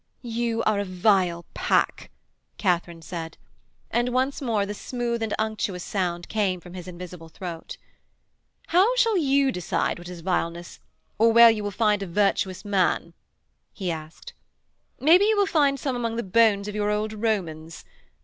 'You are a vile pack,' Katharine said, and once more the smooth and unctuous sound came from his invisible throat. 'How shall you decide what is vileness, or where will you find a virtuous man?' he asked. 'Maybe you will find some among the bones of your old Romans.